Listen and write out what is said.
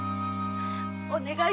お願い